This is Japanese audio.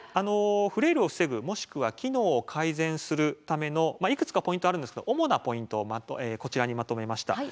フレイルを防ぐもしくは機能を改善するためのいくつかポイントあるんですけど主なポイントをこちらにまとめました。